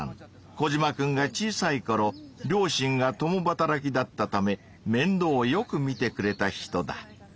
コジマくんが小さいころ両親が共働きだったためめんどうをよくみてくれた人だ。